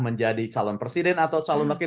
menjadi calon presiden atau calon laki laki